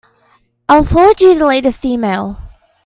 I'll forward you the latest email.